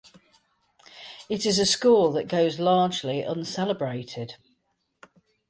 It is a score that goes largely uncelebrated.